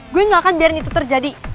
gue gak akan biarin itu terjadi